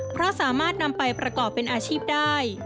เพราะสามารถนำไปประกอบเป็นอาชีพได้